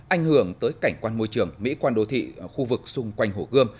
ảnh hưởng tới cảnh quan môi trường mỹ quan đô thị khu vực xung quanh hồ gươm